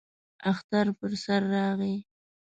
اختر پر سر راغی.